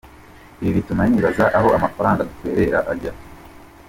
Ibi bituma nibaza aho amafaranga dutwerera ajya.